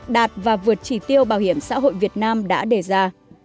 đạt và vượt chỉ tiêu bảo hiểm xã hội việt nam đã đề ra